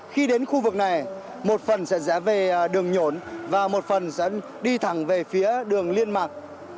khi đến khu vực này một phần sẽ rẽ về đường nhổn và một phần sẽ đi thẳng về phía đường liên mạc